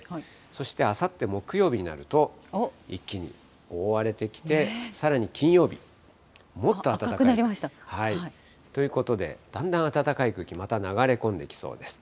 そしてあさって木曜日になると、一気に覆われてきて、さらに金曜日、もっと暖かい。ということで、だんだん暖かい空気また流れ込んできそうです。